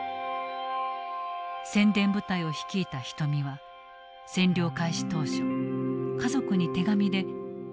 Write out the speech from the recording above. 宣伝部隊を率いた人見は占領開始当初家族に手紙で意気込みを伝えていた。